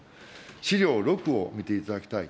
資料６を見ていただきたい。